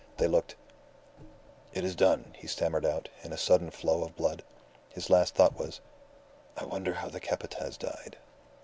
They looked "It is done," he stammered out, in a sudden flow of blood. His last thought was: "I wonder how that Capataz died."